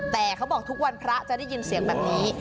แต่เขาบอกทุกวันพระจะได้ยินเสียงแบบนี้